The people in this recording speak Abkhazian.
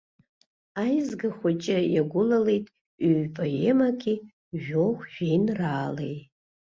Аизга хәыҷы иагәылалеит ҩ-поемаки жәохә жәеинраалеи.